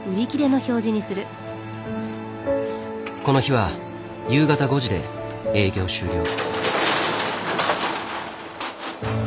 この日は夕方５時で営業終了。